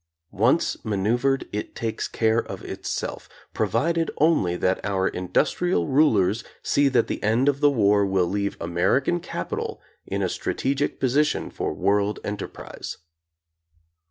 Once maneuvered, it takes care of itself, provided only that our industrial rulers see that the end of the war will leave American capital in a strategic position for world enterprise.